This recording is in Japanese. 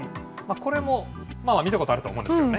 これも見たことあると思うんですよね。